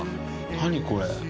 何これ。